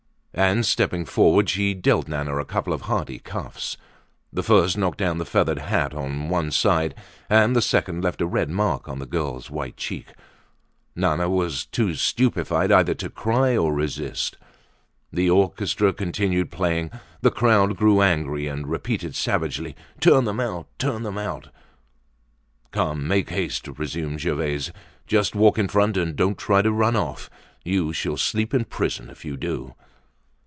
And, stepping forward, she dealt Nana a couple of hearty cuffs. The first knocked the feathered hat on one side, and the second left a red mark on the girl's white cheek. Nana was too stupefied either to cry or resist. The orchestra continued playing, the crowd grew angry and repeated savagely, "Turn them out! Turn them out!" "Come, make haste!" resumed Gervaise. "Just walk in front, and don't try to run off. You shall sleep in prison if you do."